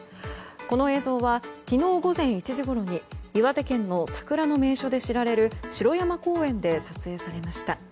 この映像は昨日午前１時ごろに岩手県の桜の名所で知られる城山公園で撮影されました。